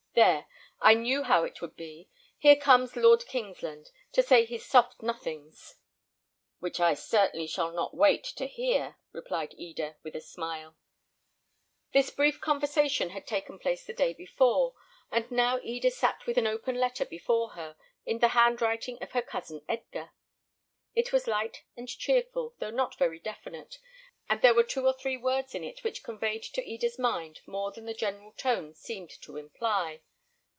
There, I knew how it would be! Here comes Lord Kingsland, to say his soft nothings." "Which I certainly shall not wait to hear," replied Eda, with a smile. This brief conversation had taken place the day before, and now Eda sat with an open letter before her, in the hand writing of her cousin Edgar. It was light and cheerful, though not very definite; but there were two or three words in it which conveyed to Eda's mind more than the general tone seemed to imply.